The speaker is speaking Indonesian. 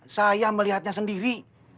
saya melihatnya sendiri